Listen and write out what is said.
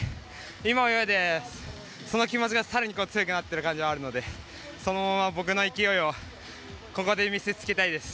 今泳いでその気持ちが更に強くなっている感じなのでそのまま僕の勢いをここで見せつけたいです。